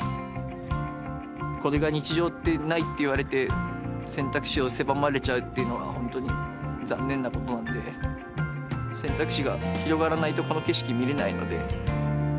これが日常じゃないって言われて、選択肢を狭まれちゃうっていうのは、本当に残念なことなんで、選択肢が広がらないとこの景色見れないので。